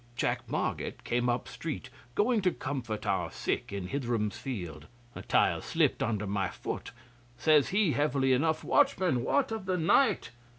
'Jack Marget came up street going to comfort our sick in Hitheram's field. A tile slipped under my foot. Says he, heavily enough, "Watchman, what of the night?"